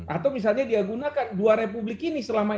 atau misalnya dia gunakan dua republik ini selama ini